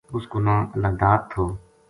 اس کو نا ں اللہ داد تھو